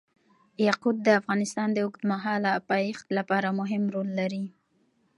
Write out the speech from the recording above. یاقوت د افغانستان د اوږدمهاله پایښت لپاره مهم رول لري.